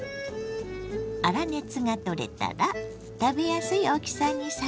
粗熱が取れたら食べやすい大きさに裂きましょう。